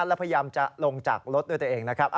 แล้วพยายามจะลงจากรถด้วยตัวเองนะครับ